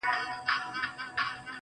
كبرجن وو ځان يې غوښـتى پــه دنـيـا كي.